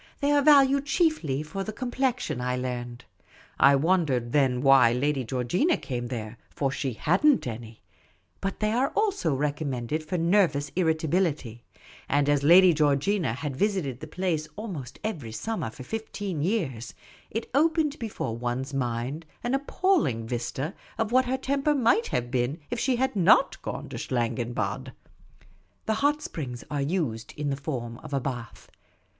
They are valued chiefly for the com plexion, I learned ; I wondered then why Lady Geoigina came there — for she had n't any ; but they are also recom mended for nervous irritability, and as Lady Georgina had visited the place almost every summer for fifteen years, it opened before one's mind an appalling vista of what her tem per might have been if she had not gone to Schlangenbad. The hot springs are used in the form of a bath.